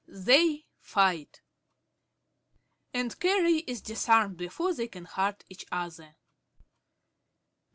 (_They fight, and Carey is disarmed before they can hurt each other.